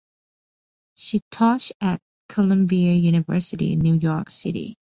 She taught at Columbia University in New York City.